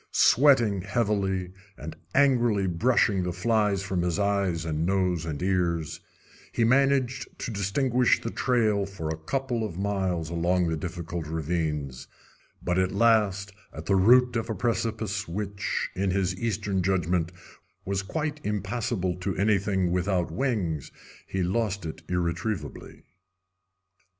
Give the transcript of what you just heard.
Sweating heavily, and angrily brushing the flies from his eyes and nose and ears, he managed to distinguish the trail for a couple of miles along the difficult ravines, but at last, at the root of a precipice which, in his eastern judgment, was quite impassable to anything without wings, he lost it irretrievably.